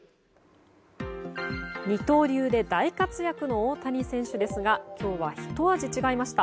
二刀流で大活躍の大谷選手ですが今日はひと味違いました。